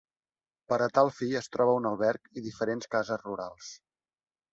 Per a tal fi es troba un alberg i diferents cases rurals.